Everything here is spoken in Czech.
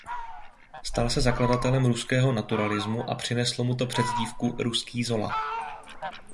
Stal se tak zakladatelem ruského naturalismu a přineslo mu to přezdívku "Ruský Zola".